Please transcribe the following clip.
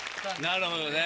なるほどね。